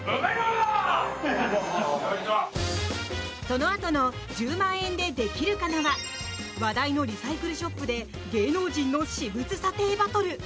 そのあとの「１０万円でできるかな」は話題のリサイクルショップで芸能人の私物査定バトル。